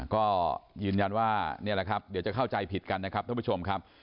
ก็ยืนยันว่านี่แหละครับเดี๋ยวจะเข้าใจผิดกันนะครับท่านผู้ชมครับ